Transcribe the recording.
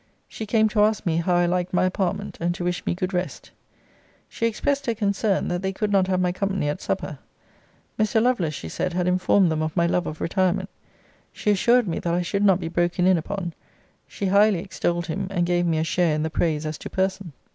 She came to ask me how I liked my apartment, and to wish me good rest. She expressed her concern, that they could not have my company at supper. Mr. Lovelace, she said, had informed them of my love of retirement. She assured me, that I should not be broken in upon. She highly extolled him, and gave me a share in the praise as to person.